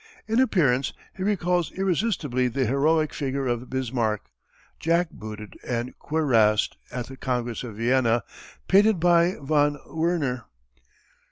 In appearance he recalls irresistibly the heroic figure of Bismarck, jack booted and cuirassed at the Congress of Vienna, painted by von Werner.